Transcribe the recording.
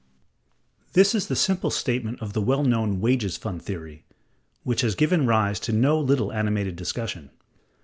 ] This is the simple statement of the well known Wages Fund Theory, which has given rise to no little animated discussion.